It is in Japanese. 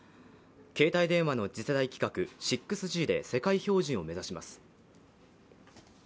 携帯電話の次世代規格６Ｇで世界標準を目指します。